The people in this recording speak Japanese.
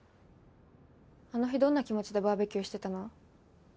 あの日どんな気持ちでバーベキューしてたの？